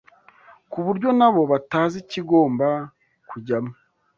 ku buryo nabo batazi ikigomba kujyamo